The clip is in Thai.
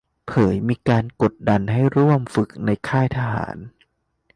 เผยมีการกดดันให้ร่วมฝึกในค่ายทหาร